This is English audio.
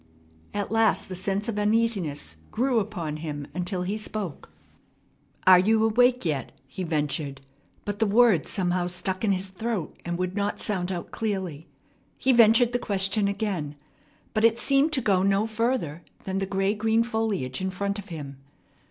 At last the sense of uneasiness grew upon him until he spoke. "Are you awake yet?" he ventured; but the words somehow stuck in his throat, and would not sound out clearly. He ventured the question again, but it seemed to go no further than the gray green foliage in front of him.